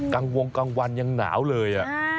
กลางวงกลางวันยังหนาวเลย